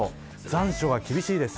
残暑が厳しいです。